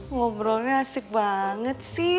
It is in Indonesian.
ngobrolnya asik banget sih